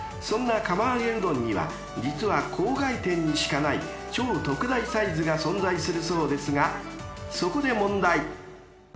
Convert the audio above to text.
［そんな釜揚げうどんには実は郊外店にしかない超特大サイズが存在するそうですがそこで問題］